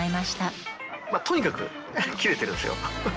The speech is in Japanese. とにかくキレてるんです。